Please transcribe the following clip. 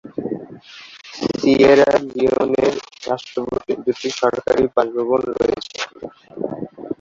Sierra লিওনের রাষ্ট্রপতি দুটি সরকারি বাসভবন রয়েছে।